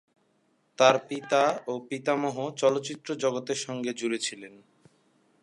তাঁর পিতা ও পিতামহ চলচ্চিত্র জগতের সঙ্গে জুড়ে ছিলেন।